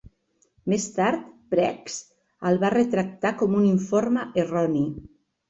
Més tard, Prexv el va retractar com un informe erroni.